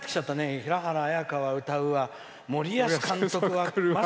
平原綾香は歌うわ森保監督は来るわ。